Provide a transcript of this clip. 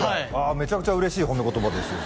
めちゃくちゃ嬉しい褒め言葉ですよ